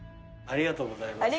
ありがとうございます。